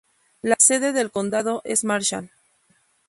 La sede del condado es Marshall.